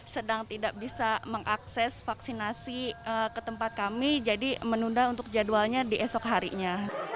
sedang tidak bisa mengakses vaksinasi ke tempat kami jadi menunda untuk jadwalnya di esok harinya